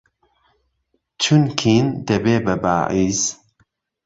چوونکین دهبێ به باعیس